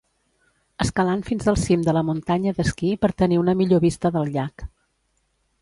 Escalant fins al cim de la muntanya d'esquí per tenir una millor vista del llac.